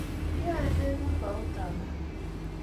Iyoe ne kemboutab raa?